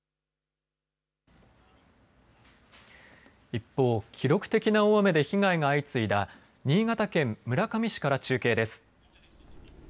一方、記録的な大雨で被害が相次いだ新潟県村上市から中継です。